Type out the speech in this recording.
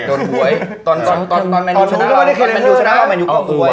โดนบ๊วยตอนแมนยูชนะลัง